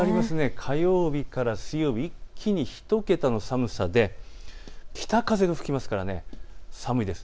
火曜日から水曜日、一気に１桁の寒さで北風が吹きますから寒いです。